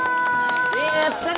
やったね